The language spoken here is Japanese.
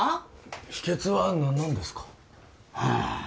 秘けつは何なんですか？